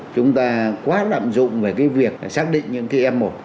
chúng ta quá lạm dụng về cái việc xác định những cái f một